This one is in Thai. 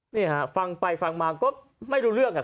นี่ฮะฟังไปฟังมาก็ไม่รู้เรื่องอ่ะ